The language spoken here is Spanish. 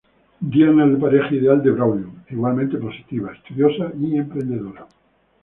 Diana es la pareja ideal de Braulio, igualmente positiva, estudiosa y emprendedora.